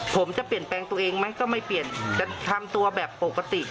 ผมจะเปลี่ยนแปลงตัวเองไหมก็ไม่เปลี่ยนจะทำตัวแบบปกติ